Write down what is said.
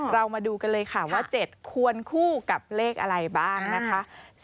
เรามาดูกันเลยค่ะว่า๗ควรคู่กับเลขอะไรบ้างนะคะ